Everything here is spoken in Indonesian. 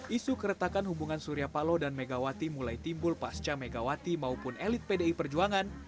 isu keretakan hubungan surya paloh dan megawati mulai timbul pasca megawati maupun elit pdi perjuangan